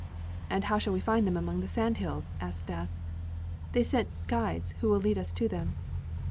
"And how shall we find them among the sand hills?" asked Stas. "They sent guides who will lead us to them."